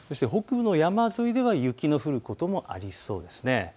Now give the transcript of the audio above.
北部の山沿いでは雪が降ることもありそうです。